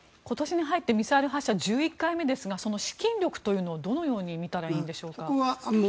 今年に入ってミサイル発射１１回目ですがその資金力をどのように見ればいいんでしょうか。